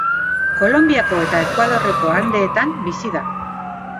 Kolonbiako eta Ekuadorreko Andeetan bizi da.